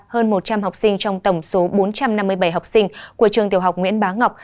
hơn một trăm linh học sinh trong tổng số bốn trăm năm mươi bảy học sinh của trường tiểu học nguyễn bá ngọc